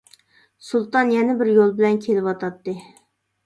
سۇلتان يەنە بىر يول بىلەن كېلىۋاتاتتى.